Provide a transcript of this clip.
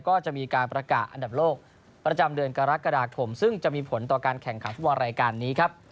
การเดินกรกฎากฑมซึ่งจะมีผลต่อการแข่งขับวันรายการนี้ครับ